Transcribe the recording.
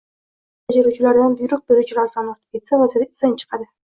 ish bajaruvchilardan buyruq beruvchilar soni ortib ketsa, vaziyat izdan chiqadi.